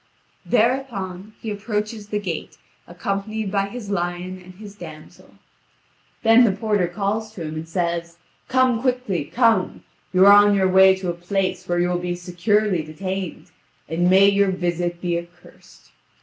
Thereupon, he approaches the gate, accompanied by his lion and his damsel. Then the porter calls to him, and says: "Come quickly, come. You are on your way to a place where you will be securely detained, and may your visit be accursed."